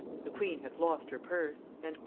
The queen hath lost her purse."